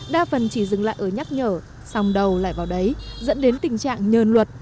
đa phần chỉ dừng lại ở nhắc nhở xong đầu lại vào đấy dẫn đến tình trạng nhờn luật